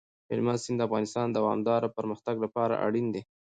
هلمند سیند د افغانستان د دوامداره پرمختګ لپاره اړین دی.